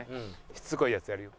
しつこいやつやるよ。